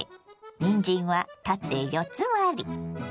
にんじんは縦四つ割り。